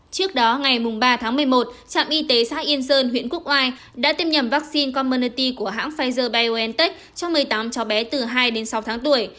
trước đó ngày ba tháng một mươi một trạm y tế xã yên sơn huyện quốc oai đã tiêm nhầm vaccine commernoty của hãng pfizer biontech cho một mươi tám cháu bé từ hai đến sáu tháng tuổi